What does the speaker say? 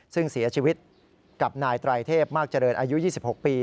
ซึ่งเสียชีวิตกับนายไตรเทพมากเจริญอายุ๒๖ปี